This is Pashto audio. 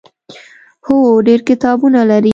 هو، ډیر کتابونه لري